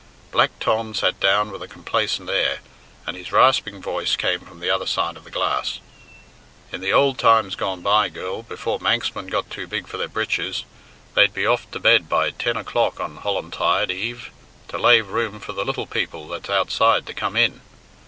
Black Tom sat down with a complacent air, and his rasping voice came from the other side of the glass. "In the ould times gone by, girl, before Manxmen got too big for their breeches, they'd be off to bed by ten o'clock on Hollantide Eve to lave room for the little people that's outside to come in.